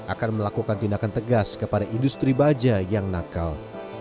akan melakukan tindakan tegas kepada industri baja yang nakal